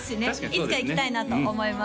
いつか行きたいなと思います